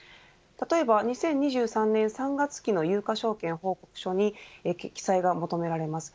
例えば２０２３年３月期の有価証券報告書に記載が求められます。